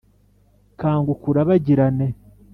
kanguka urabagirane